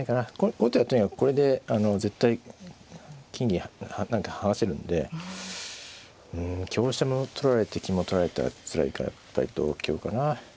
後手はとにかくこれで絶対金銀何か剥がせるんでうん香車も取られて金も取られたらつらいからやっぱり同香かな。